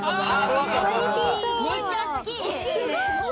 めっちゃ大きい！